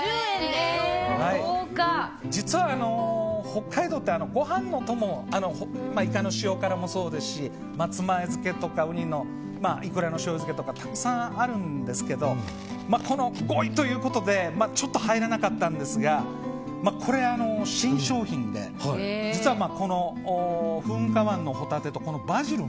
実は、北海道ってご飯のお供イカの塩辛もそうですし松前漬けとか、ウニとかイクラのしょうゆ漬けとかたくさんあるんですけど５位ということで入らなかったんですがこれ、新商品で実は、噴火湾のホタテとバジル。